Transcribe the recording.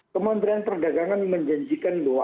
kemudian perdagangan menjanjikan bahwa